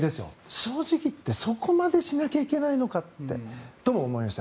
正直言ってそこまでしなきゃいけないのかとも思いました。